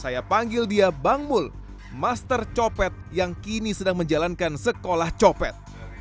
saya panggil dia bang mul master copet yang kini sedang menjalankan sekolah copet